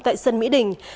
tại sân mỹ đình